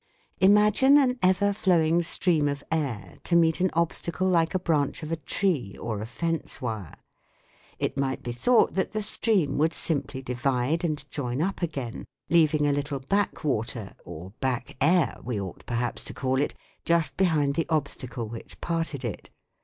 Im agine an ever flowing stream of air to meet an obstacle like a branch of a tree or a fence wire. It might be thought that the stream would simply divide and join up again, leaving a little back water, or back air we ought perhaps to call it, just behind the obstacle which parted it.